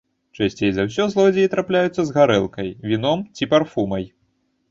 Часцей за ўсё злодзеі трапляюцца з гарэлкай, віном ці парфумай.